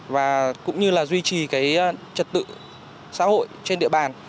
và cũng như là duy trì cái trật tự xã hội trên địa bàn